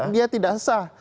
dia tidak sah